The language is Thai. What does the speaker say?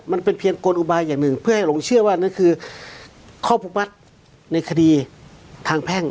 มันเป็นเพียงกลอุบายอย่างหนึ่งเพื่อให้หลงเชื่อว่านั่นคือข้อผูกมัดในคดีทางแพ่ง